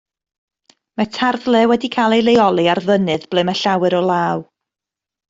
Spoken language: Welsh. Mae tarddle wedi cael ei leoli ar fynydd ble mae llawer o law